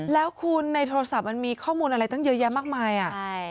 แล้วคุณในโทรศัพท์มันมีข้อมูลอะไรตั้งเยอะแยะมากมายอ่ะใช่